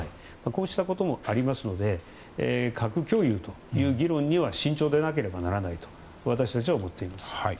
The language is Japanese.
こうしたこともありますので核共有という議論には慎重でなければならないと私たちは思っています。